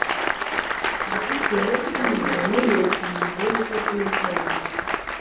Nigute Euro Tunnel yamenyekanye mbere yuko Izina ryayo rihinduka